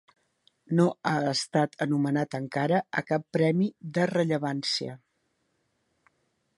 No ha estat anomenat encara a cap premi de rellevància.